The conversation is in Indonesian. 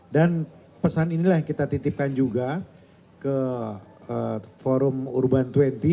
dan pesan inilah yang kita titipkan juga ke forum urban dua puluh